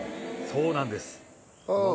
そうなんです。